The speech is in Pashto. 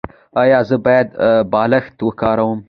ایا زه باید بالښت وکاروم؟